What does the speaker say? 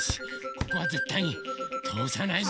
ここはぜったいにとおさないぞ！